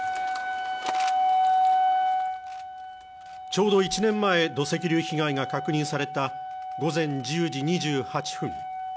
ちょうど１年前、土石流被害が確認された午前１０時２８分。